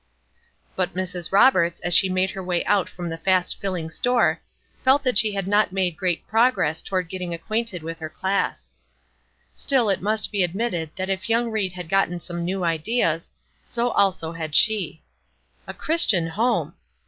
But Mrs. Roberts, as she made her way out from the fast filling store, felt that she had not made great progress toward getting acquainted with her class. Still it must be admitted that if young Ried had gotten some new ideas, so also had she. "A Christian home!"